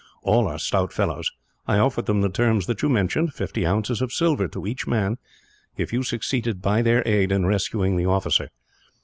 All are stout fellows. I offered them the terms that you mentioned fifty ounces of silver, to each man, if you succeeded by their aid in rescuing the officer.